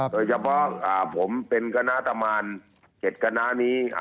โดยเฉพาะผมเป็นกณะตามาน๗กณะนี้